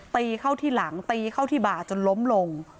ตีเข้าที่หลังตีเข้าที่บ่าจนล้มลง